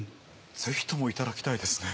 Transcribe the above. ぜひともいただきたいですね。